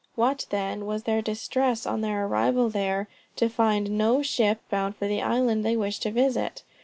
What, then, was their distress on their arrival there, to find no ship bound for the island they wished to visit!